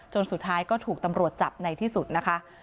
สุดท้ายก็ถูกตำรวจจับในที่สุดนะคะ